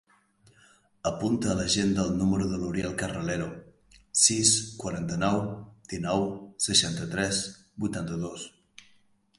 Apunta a l'agenda el número de l'Uriel Carralero: sis, quaranta-nou, dinou, seixanta-tres, vuitanta-dos.